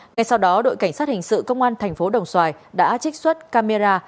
ngày sau đó đội cảnh sát hình sự công an tp đồng xoài đã trích xuất camera